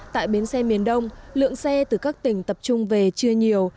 tại bến xe miền đông lượng xe từ các tỉnh tập trung về chưa nhiều